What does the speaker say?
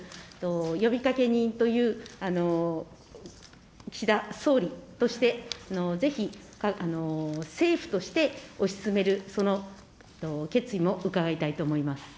呼びかけ人という岸田総理として、ぜひ政府として推し進める決意も伺いたいと思います。